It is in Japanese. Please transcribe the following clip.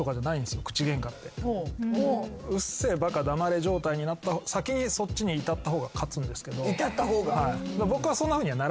うっせぇバカ黙れ状態に先にそっちに至った方が勝つんですけど。